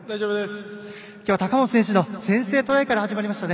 今日は高本選手の先制トライから始まりましたね。